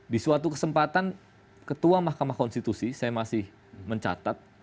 di suatu kesempatan ketua mahkamah konstitusi saya masih mencatat